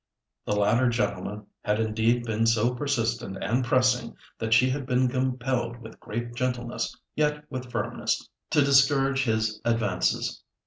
The latter gentleman had indeed been so persistent and pressing, that she had been compelled with great gentleness, yet with firmness, to discourage his advances.